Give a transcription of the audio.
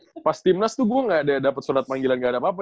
apa ya apa ya pas timnas tuh gue gak ada dapet surat panggilan gak ada apa apa